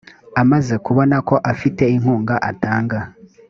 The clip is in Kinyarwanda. amaze kubona ko afite inkunga atanga